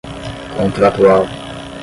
contratual